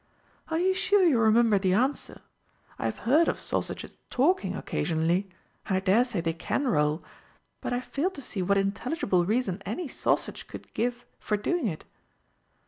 "Are you sure you remember the answer? I have heard of sausages talking occasionally, and I daresay they can roll, but I fail to see what intelligible reason any sausage could give for doing it."